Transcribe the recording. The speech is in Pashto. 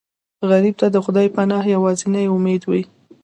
غریب ته د خدای پناه یوازینی امید وي